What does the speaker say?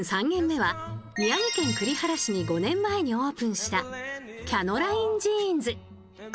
３軒目は宮城県栗原市に５年前にオープンしたキャノラインジーンズ。